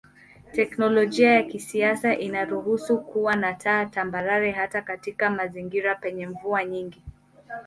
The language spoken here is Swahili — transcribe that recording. Teknolojia ya kisasa inaruhusu kuwa na taa tambarare hata katika mazingira penye mvua nyingi.